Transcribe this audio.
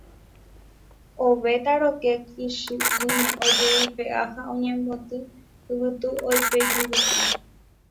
ovetã rokẽ kichi'ĩme ojeipe'a ha oñemboty yvytu oipeju rupi